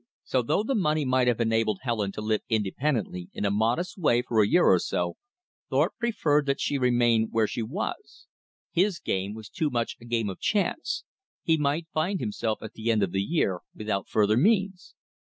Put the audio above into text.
So though the money might have enabled Helen to live independently in a modest way for a year or so, Thorpe preferred that she remain where she was. His game was too much a game of chance. He might find himself at the end of the year without further means.